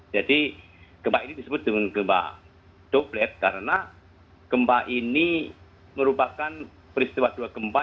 jadi gempa ini disebut dengan gempa doblet karena gempa ini merupakan peristiwa dua gempa